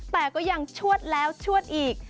แต่ก็ยังชวดแล้วชวดอีก